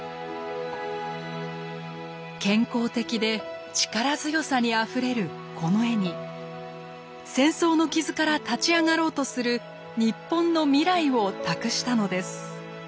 健康的で力強さにあふれるこの絵に戦争の傷から立ち上がろうとする日本の未来を託したのです。